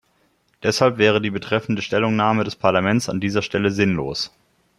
Deshalb wäre die betreffende Stellungnahme des Parlaments an dieser Stelle sinnlos.